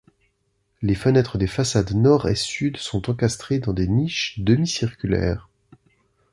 Les fenêtres des façades nord et sud sont encastrées dans des niches demi-circulaires.